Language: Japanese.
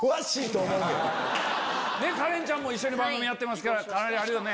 カレンちゃんも一緒に番組やってますからかなりあるよね。